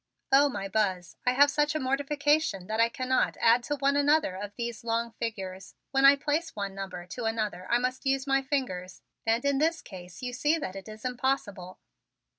"Oh, my Buzz, I have such a mortification that I cannot add one to another of these long figures. When I place one number to another I must use my fingers, and in this case you see that it is impossible."